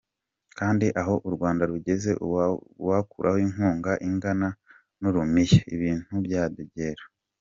Kandi aho u Rwanda rugeze uwakuraho inkunga ingana n’urumiya, ibintu byadogera!